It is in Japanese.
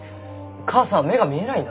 母さんは目が見えないんだぞ。